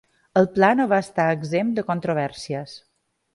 El pla no va estar exempt de controvèrsies.